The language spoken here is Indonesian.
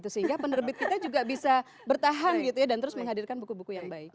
sehingga penerbit kita juga bisa bertahan gitu ya dan terus menghadirkan buku buku yang baik